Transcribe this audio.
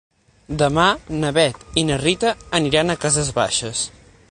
Demà na Bet i na Rita aniran a Cases Baixes.